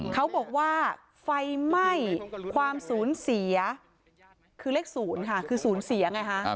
เขาบอกว่าไฟไหม้ความสูญเสียคือเลข๐ค่ะคือศูนย์เสียไงฮะ